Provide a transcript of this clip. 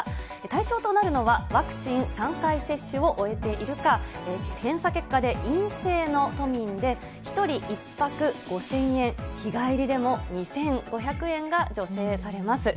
対象となるのは、ワクチン３回接種を終えているか、検査結果で陰性の都民で、１人１泊５０００円、日帰りでも２５００円が助成されます。